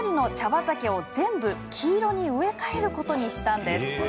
畑を全部黄色に植え替えることにしたんです。